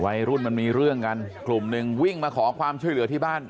วัยรุ่นมันมีเรื่องกันคลุมนึงวิ่งมาขอความเชื่อเหลือที่บ้าน